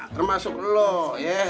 termasuk lo ya